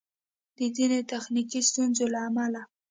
د ځیني تخنیکي ستونزو له امله